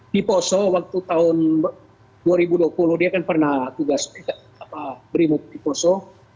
diposo waktu tahun dua ribu dua puluh dia kan pernah tugas berimut diposo